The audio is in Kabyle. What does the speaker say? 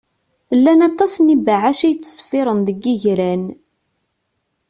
Llan aṭas n ibeɛɛac i yettṣeffiṛen deg yigran.